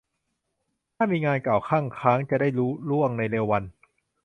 ถ้ามีงานเก่าคั่งค้างจะได้ลุล่วงในเร็ววัน